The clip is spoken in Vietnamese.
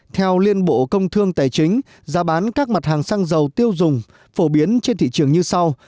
theo liên bộ công thương tài chính giá bán các mặt hàng xăng dầu tiêu dùng phổ biến trên thị trường như sau